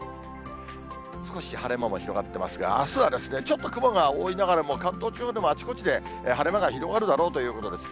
少し晴れ間も広がってますが、あすはちょっと雲が多いながらも、関東地方でもあちこちで晴れ間が広がるだろうということです。